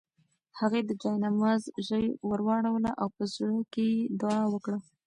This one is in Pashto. هغې د جاینماز ژۍ ورواړوله او په زړه کې یې دعا وکړه.